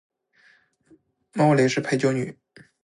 猫雷是陪酒女